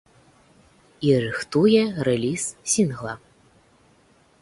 І рыхтуе рэліз сінгла.